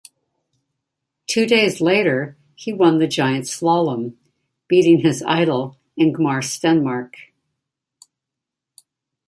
Two days later he won the giant slalom, beating his idol, Ingemar Stenmark.